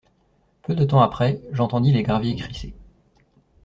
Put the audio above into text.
Peu de temps après, j’entendis les graviers crisser.